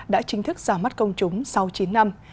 đã chính thức ra mắt công chúng sau chín năm